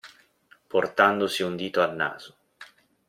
Portandosi un dito al naso.